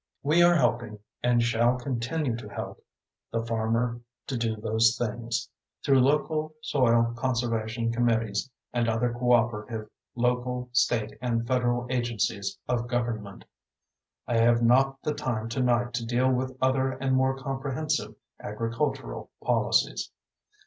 We are helping, and shall continue to help the farmer to do those things, through local soil conservation committees and other cooperative local, state and federal agencies of government. I have not the time tonight to deal with other and more comprehensive agricultural policies.